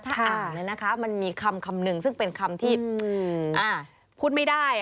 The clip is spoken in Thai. ถ้าอ่านแล้วนะคะมันมีคำคำหนึ่งซึ่งเป็นคำที่พูดไม่ได้